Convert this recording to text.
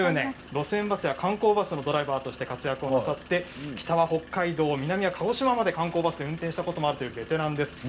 路線バスや観光バスのドライバーとして活躍されて北は北海道南は鹿児島まで観光バスで運転されたことがあるというベテランの方です。